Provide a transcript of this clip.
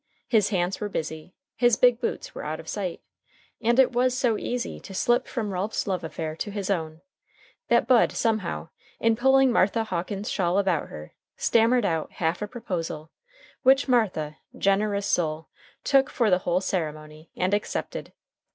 His hands were busy, his big boots were out of sight, and it was so easy to slip from Ralph's love affair to his own, that Bud somehow, in pulling Martha Hawkins's shawl about her, stammered out half a proposal, which Martha, generous soul, took for the whole ceremony, and accepted.